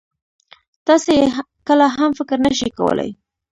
تاسې يې کله هم فکر نه شئ کولای.